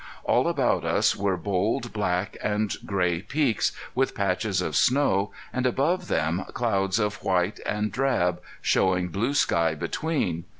All about us were bold black and gray peaks, with patches of snow, and above them clouds of white and drab, showing blue sky between.